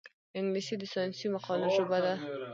انګلیسي د ساینسي مقالو ژبه ده